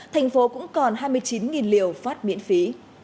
tp hcm cũng còn hai mươi chín liều phát miễn phí